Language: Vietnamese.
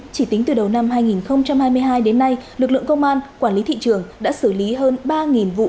chỉ tính từ đầu năm hai nghìn hai mươi hai đến nay lực lượng công an quản lý thị trường đã xử lý hơn ba vụ